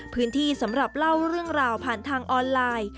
สำหรับเล่าเรื่องราวผ่านทางออนไลน์